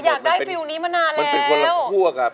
อยากได้ฟิล์มนี้มานานแล้วมันเป็นคนละครวกครับ